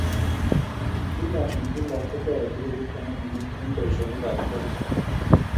kla en kla kutoretekei kipsomaninik en boisionik ab koree